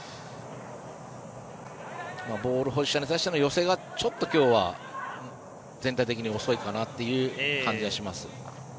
ボール保持者に対しての寄せがちょっと今日は全体的に遅いかなという感じがします。